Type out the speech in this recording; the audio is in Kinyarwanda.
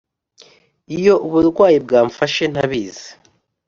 iyo uburwayi bwamfashe ntabizi.